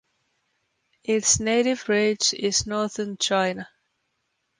Its native range is northern China.